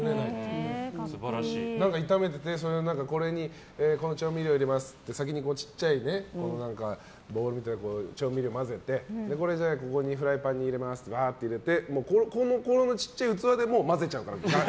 炒めてて、それにこの調味料を入れますって先に小さいボウルで調味料を混ぜてこれをフライパンに入れますってわーって入れて、この小さい器でもう混ぜちゃうから。